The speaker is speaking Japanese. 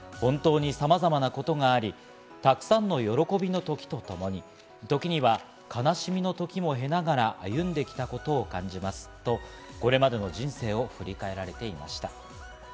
本当に様々な事があり、たくさんの喜びの時とともに時には悲しみの時も経ながら歩んできたことを感じますとこれまでの人生を振り返られていました。